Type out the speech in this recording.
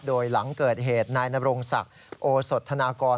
โดยหลังเกิดเหตุนายนรงศักดิ์โอสดธนากร